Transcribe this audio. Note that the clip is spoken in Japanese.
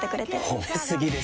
褒め過ぎですよ。